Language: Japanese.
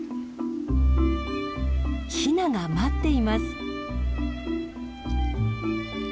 ヒナが待っています。